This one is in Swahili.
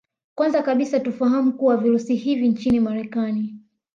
Kwanza kabisa tufahamu kuwa Virusi hivi nchini Marekani